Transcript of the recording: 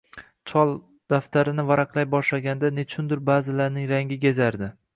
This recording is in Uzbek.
Chol daftarini varaqlay boshlaganida nechundir ba`zilarning rangi gezardi